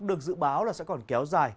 được dự báo là sẽ còn kéo dài